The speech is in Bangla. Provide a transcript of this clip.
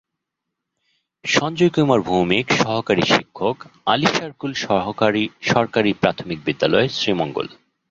সঞ্জয় কুমার ভৌমিকসহকারী শিক্ষক, আলীশারকুল সরকারি প্রাথমিক বিদ্যালয়, শ্রীমঙ্গল।